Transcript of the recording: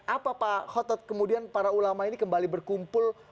apa pak khotot kemudian para ulama ini kembali berkumpul